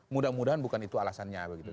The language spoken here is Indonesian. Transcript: mudah mudahan bukan itu alasannya begitu